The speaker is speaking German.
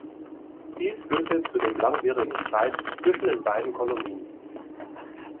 Dies führte zu dem langwierigen Streit zwischen den beiden Kolonien.